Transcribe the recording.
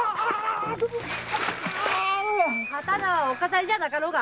刀はお飾りじゃなかろうが。